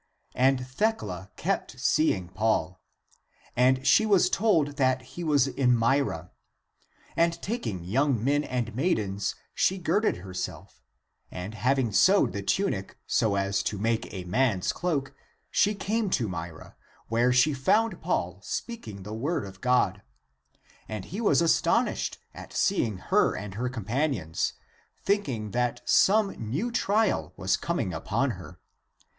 And Thecla kept seeking Paul. And she was told that he was in Myra. And taking young men and maidens, she girded herself; and having 42 Coptic : eternal. *8The Coptic: come within, my daughter, Thecla. ACTS OF PAUL 31 sewed the tunic so as to make a man's cloak, she came to Myra, where she found Paul speaking the word of God. And he was astonished at seeing her and her companions, thinking that some new trial was coming upon her.